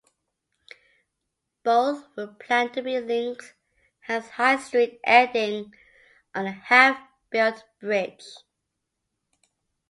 Both were planned to be linked, hence High Street ending on a half-built bridge.